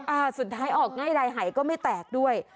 อ่าสุดท้ายออกง่ายใดหายก็ไม่แตกด้วย